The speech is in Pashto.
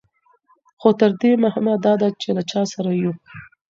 خو تر دې مهمه دا ده چې له چا سره یو.